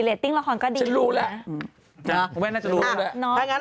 เรทติ้งละครก็ดีเลยนะผมแม่น่าจะรู้แหละน้องไม่ได้เขียว